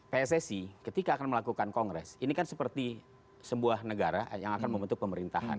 pssi ketika akan melakukan kongres ini kan seperti sebuah negara yang akan membentuk pemerintahan